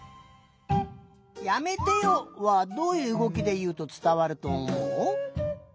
「やめてよ」はどういううごきでいうとつたわるとおもう？